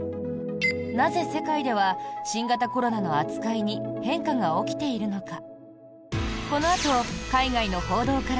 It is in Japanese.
なぜ世界では新型コロナの扱いに変化が起きているのか。